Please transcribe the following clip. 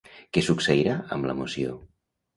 Què succeirà amb la moció?